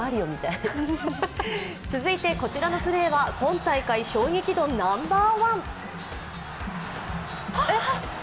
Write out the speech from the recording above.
続いて、こちらのプレーは今大会衝撃度ナンバーワン。